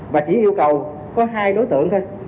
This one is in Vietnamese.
và chỉ yêu cầu có hai đối tượng thôi